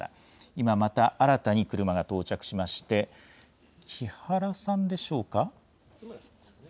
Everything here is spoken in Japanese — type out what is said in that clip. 今また新たに車が到着しまして松村さんでしょうか。